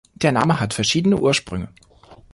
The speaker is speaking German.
Der Name hat verschiedene Ursprünge.